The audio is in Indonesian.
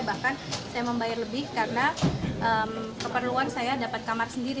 bahkan saya membayar lebih karena keperluan saya dapat kamar sendiri